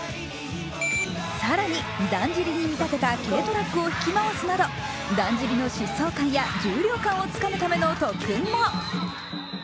更に、だんじりに見立てた軽トラックを引き回すなどだんじりの疾走感やだんじり重量感をつかむための特訓も。